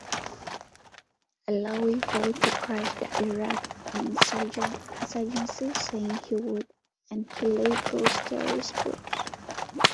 Allawi vowed to crush the Iraqi insurgency, saying he would "annihilate those terrorist groups".